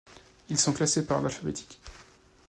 Ils sont classés par ordre alphabétique.